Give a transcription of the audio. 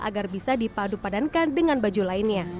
agar bisa dipadupadankan dengan baju lainnya